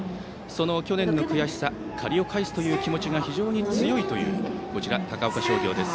その去年の悔しさ借りを返すという気持ちが非常に強いという高岡商業です。